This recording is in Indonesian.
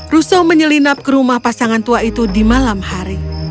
russo menyelinap ke rumah pasangan tua itu di malam hari